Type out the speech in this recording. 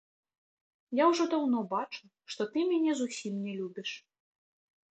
Я ўжо даўно бачу, што ты мяне зусім не любіш.